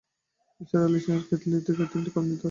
নিসার আলি চায়ের কেতলি এবং তিনটা কাপ হাতে ঢুকলেন।